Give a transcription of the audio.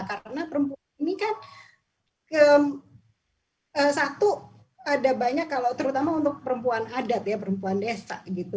karena perempuan ini kan satu ada banyak kalau terutama untuk perempuan adat ya perempuan desa gitu